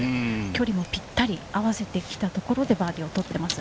距離もぴったり合わせてきたところで、バーディーを取っています。